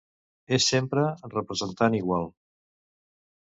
És sempre representat igual?